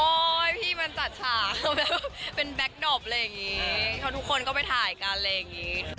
พี่มันจัดฉากเป็นแก๊กดอปอะไรอย่างนี้เขาทุกคนก็ไปถ่ายกันอะไรอย่างนี้